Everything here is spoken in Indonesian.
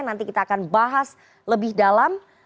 nanti kita akan bahas lebih dalam